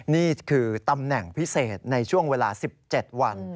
นี่คือตำแหน่งพิเศษในช่วงเวลา๑๗วัน